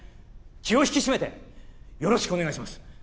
気を引き締めてよろしくお願いします。